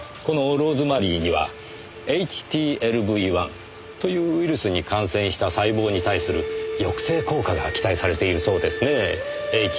このローズマリーにはＨＴＬＶ‐１というウイルスに感染した細胞に対する抑制効果が期待されているそうですねえ。